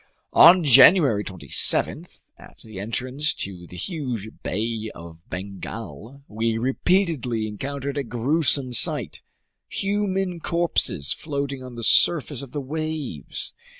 On January 27, at the entrance to the huge Bay of Bengal, we repeatedly encountered a gruesome sight: human corpses floating on the surface of the waves!